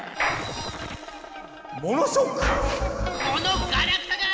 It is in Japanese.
このガラクタが！